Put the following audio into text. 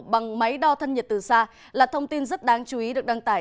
bằng máy đo thân nhiệt từ xa là thông tin rất đáng chú ý được đăng tải